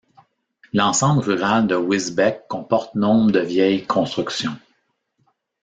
L'ensemble rural de Wisbecq comporte nombre de vieilles constructions.